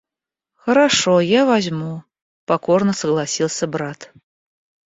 — Хорошо, я возьму, — покорно согласился брат.